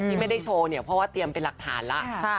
ที่ไม่ได้โชว์เนี่ยเพราะว่าเตรียมเป็นหลักฐานแล้ว